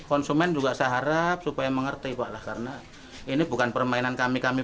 konsumen juga saya harap supaya mengerti pak lah karena ini bukan permainan kami kami